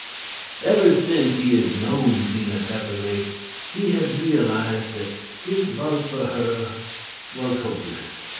Ever since he had known Zena Pepperleigh he had realized that his love for her was hopeless.